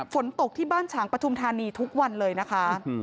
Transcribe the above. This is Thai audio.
ฝนตกที่บ้านฉางปฐุมธานีทุกวันเลยนะคะ